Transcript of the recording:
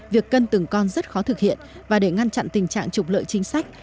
việc cân từng con rất khó thực hiện và để ngăn chặn tình trạng trục lợi chính sách